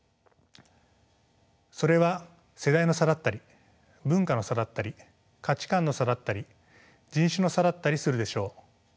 それは世代の差だったり文化の差だったり価値観の差だったり人種の差だったりするでしょう。